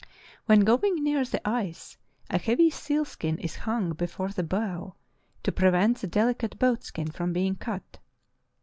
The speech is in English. When going near the ice a heavy seal skin is hung before the bow to prevent the delicate boat skin from being cut.